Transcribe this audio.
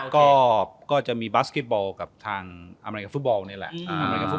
ก็จะมีบาสเก็ตบอลกับทางอเมริกับฟุตบอลนี่แหละ